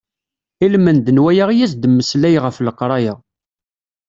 Ilmend n waya i as-d-mmeslay ɣef leqraya.